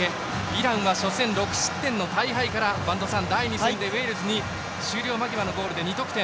イランは初戦、６失点の大敗から第２戦でウェールズに終了間際のゴールで２得点。